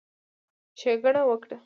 ښېګڼه وکړه،